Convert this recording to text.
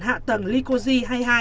hạ tầng ly co di hai mươi hai